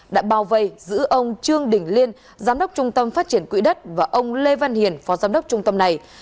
đã bao vây giữ ông trương đình liên giám đốc trung tâm phát triển quỹ đất và ông lê văn hiền phó giám đốc trung tâm này